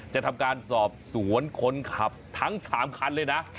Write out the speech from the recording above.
จะทำการสอบสวนคนขับทั้ง๓คันเลยนะ